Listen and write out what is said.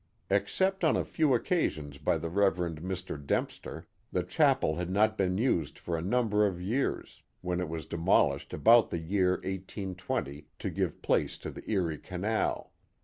'' Except on a few occasions by the Rev. Mr. Dempster, the chapel had not been used for a number of years, when it was demolished about the year 1820, to give place to the Erie Canal.